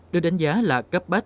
được đánh giá là cấp bách